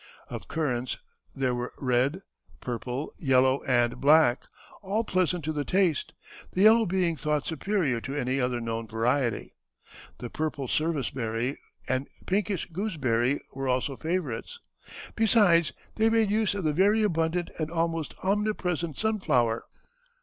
Of currants there were red, purple, yellow, and black, all pleasant to the taste; the yellow being thought superior to any other known variety. The purple service berry and pinkish gooseberry were also favorites. Besides, they made use of the very abundant and almost omnipresent sunflower.